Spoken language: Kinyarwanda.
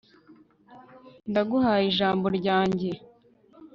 ndaguhaye ijambo ryanjye